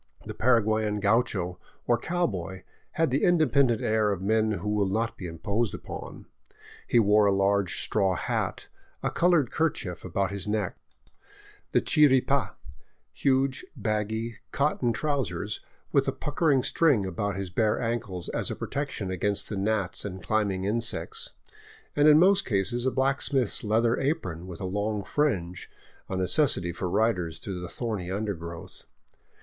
The Para guayan gaucho, or cow boy, had the independent air of men who will not be imposed upon. He wore a large straw hat, a colored kerchief at^ut his neck, the chiripd, huge, baggy cotton trousers with a pucker 600 SOUTHWARD THROUGH GUARANI LAND ing string about his bare ankles as a protection against the gnats and climbing insects, and in most cases a blacksmith's leather apron with a long fringe, a necessity for riders through the thorny undergrowth.